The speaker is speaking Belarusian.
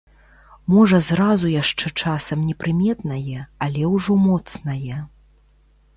Можа зразу яшчэ часам непрыметнае, але ўжо моцнае.